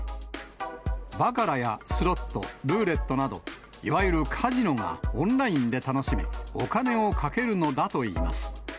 バカラやスロット、ルーレットなど、いわゆるカジノがオンラインで楽しめ、お金を賭けるのだといいます。